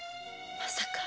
まさか！